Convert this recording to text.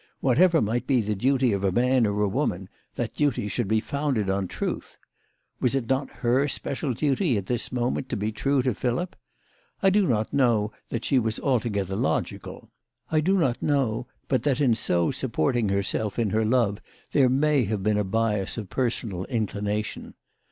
Whatever might be the duty of a man or a woman, that duty should be founded on truth. Was it not her special duty at this moment to be true to Philip ? I do not know that she was altogether logical. I do not know but that in so supporting herself in her love there may have been a bias of personal inclination.